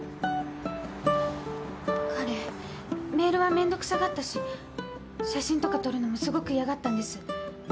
彼メールは面倒くさがったし写真とか撮るのもすごく嫌がったんです。